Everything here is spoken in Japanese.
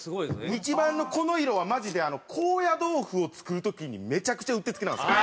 ニチバンのこの色はマジで高野豆腐を作る時にめちゃくちゃうってつけなんですよ。